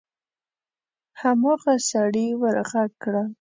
هماغه سړي ور غږ کړل: